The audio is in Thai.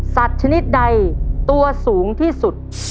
สัตว์ชนิดใดตัวสูงที่สุด